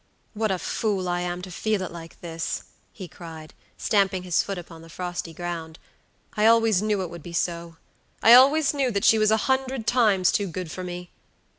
"What a fool I am to feel it like this!" he cried, stamping his foot upon the frosty ground. "I always knew it would be so; I always knew that she was a hundred times too good for me.